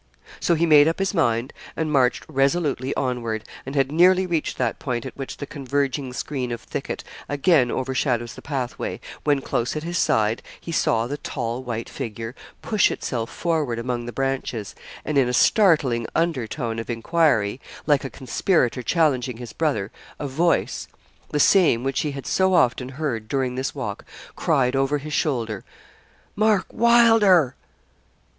So he made up his mind, and marched resolutely onward, and had nearly reached that point at which the converging screen of thicket again overshadows the pathway, when close at his side he saw the tall, white figure push itself forward among the branches, and in a startling under tone of enquiry, like a conspirator challenging his brother, a voice the same which he had so often heard during this walk cried over his shoulder, 'Mark Wylder!'